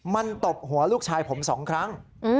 มันตบหัวลูกชายผม๒ครั้ง